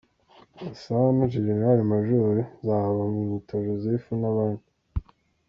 Gasana; Gen Major, Nzabamwita Joseph n’abandi.